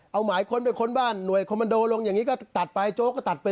เอาหมายข้นไปค้นบ้านหน่วยลงอย่างงี้ก็ตัดไปก็ตัดไป